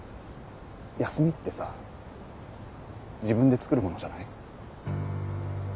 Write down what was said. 休みってさ自分でつくるものじゃない？